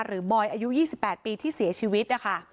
หรือบอยอายุ๒๘ปีที่เสียชีวิต